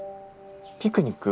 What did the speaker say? ピクニック？